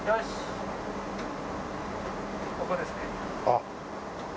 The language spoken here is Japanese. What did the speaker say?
あっ。